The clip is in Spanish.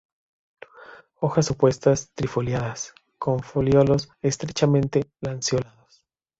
Hojas opuestas trifoliadas, con foliolos estrechamente lanceolados.